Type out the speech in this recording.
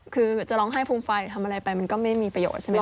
คือจะร้องไห้ภูมิไฟทำอะไรไปมันก็ไม่มีประโยชนใช่ไหมค